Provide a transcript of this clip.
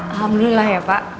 alhamdulillah ya pak